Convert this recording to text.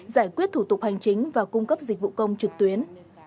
giải quyết thủ tục hành chính và cung cấp dịch vụ công trực tuyến